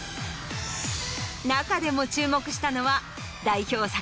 中でも注目したのは代表作